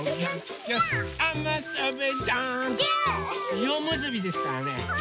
しおむすびですからね。